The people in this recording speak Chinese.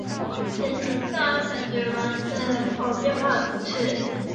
皮伊塞蓬图瓦兹人口变化图示